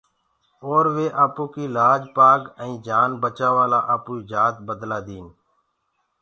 اورَ وي آپوڪيٚ لآج پآگ ائينٚ جآن بچآوآ لآ آپوئيٚ جآت بدلآ ديٚن۔